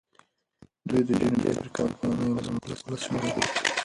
دی د جنوبي افریقا پخوانی ولسمشر و.